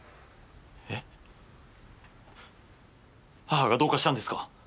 母がどうかしたんですか？